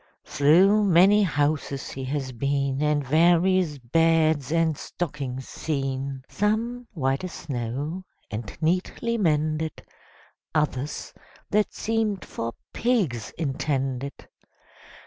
Through many houses he has been, And various beds and stockings seen; Some, white as snow, and neatly mended, Others, that seemed for pigs intended.